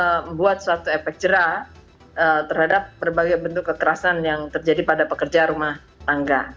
membuat suatu efek jerah terhadap berbagai bentuk kekerasan yang terjadi pada pekerja rumah tangga